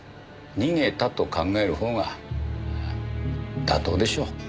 逃げたと考える方が妥当でしょう。